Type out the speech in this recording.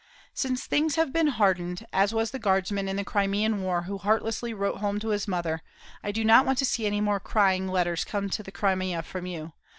Since things have been hardened, as was the guardsman in the Crimean War who heartlessly wrote home to his mother: "I do not want to see any more crying letters come to the Crimea from you.